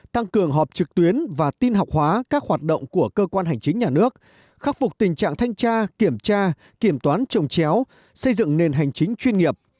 tăng cường họp trực tuyến và tin học hóa các hoạt động của cơ quan hành chính nhà nước khắc phục tình trạng thanh tra kiểm tra kiểm toán trồng chéo xây dựng nền hành chính chuyên nghiệp